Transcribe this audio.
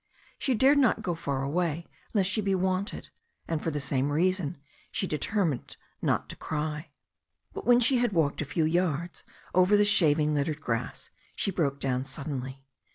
She dared not go far away lest she be wanted, and for the same reason she determined not to cry. But when she had walked a few yards over the shaving littered grass she broke down sud denly.